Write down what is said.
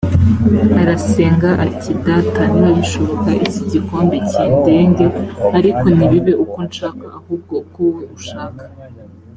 arasenga ati data niba bishoboka iki gikombe kindenge ariko ntibibe uko nshaka ahubwo uko wowe ushaka